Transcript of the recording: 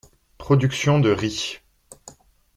Production de riz.